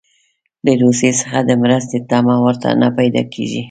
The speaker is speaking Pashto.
له روسیې څخه د مرستې تمه ورته نه پیدا کیږي.